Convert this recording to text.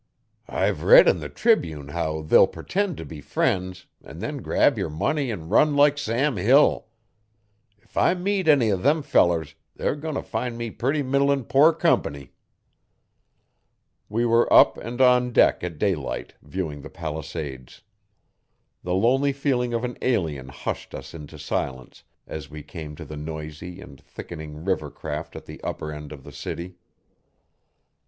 'I've read 'n the Tribune how they'll purtend t' be friends an' then grab yer money an' run like Sam Hill. If I meet any o' them fellers they're goin' t' find me purty middlin' poor comp'ny.' We were up and on deck at daylight, viewing the Palisades. The lonely feeling of an alien hushed us into silence as we came to the noisy and thickening river craft at the upper end of the city.